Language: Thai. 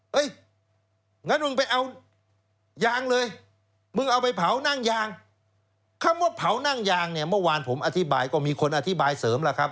งั้นมึงไปเอายางเลยมึงเอาไปเผานั่งยางคำว่าเผานั่งยางเนี่ยเมื่อวานผมอธิบายก็มีคนอธิบายเสริมแล้วครับ